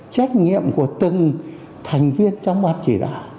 trách nhiệm của từng thành viên trong ban chỉ đạo